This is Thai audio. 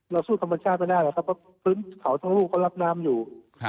เราสู้ธรรมชาติไม่ได้แน่ครับเพราะพื้นขาวทั้งหลู่เค้ารับน้ำอยู่